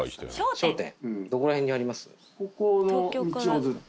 どこら辺にあります？